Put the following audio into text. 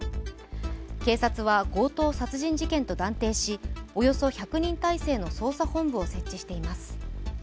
警察は強盗殺人事件と断定しおよそ１００人態勢の捜査本部を設置しています。